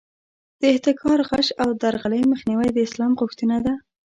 د احتکار، غش او درغلۍ مخنیوی د اسلام غوښتنه ده.